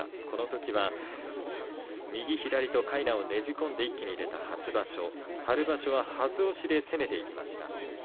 このときは右、左のかいなをねじ込んで一気に出た初場所春場所ははず押しで攻めていきました。